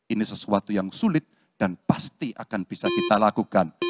ini sesuatu yang sulit dan pasti akan bisa kita lakukan